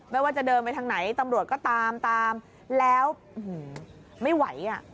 ไม่ว่าจะเดินไปทางไหนตำรวจก็ตามตามแล้วไม่ไหวอ่ะ